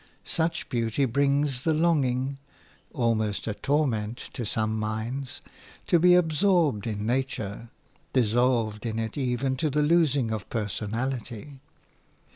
Such beauty brings the longing (almost a torment to some minds) to be absorbed in nature, dissolved in it even to the losing of personality.